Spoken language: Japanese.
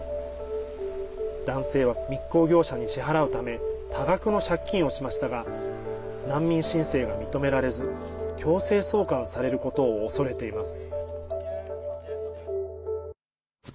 男性は密航業者に支払うため多額の借金をしましたが難民申請が認められず強制送還されることを恐れています。